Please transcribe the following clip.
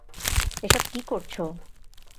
এসব কী করছো?